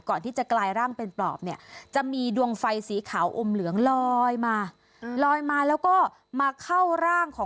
ก่อนที่จะกลายร่างเป็นปอบเนี่ยจะมีดวงไฟสีขาวอมเหลืองลอยมา